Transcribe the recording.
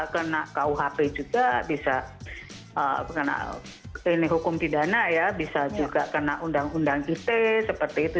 kena kuhp juga bisa kena hukum pidana ya bisa juga kena undang undang ite seperti itu